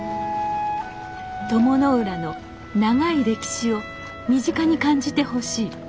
鞆の浦の長い歴史を身近に感じてほしい。